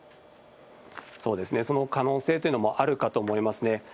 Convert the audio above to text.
そうですね、その可能性というのもあるかと思いますね。